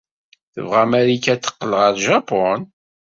Tebɣa Marika ad teqqel ɣer Japun?